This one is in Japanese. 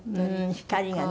光がね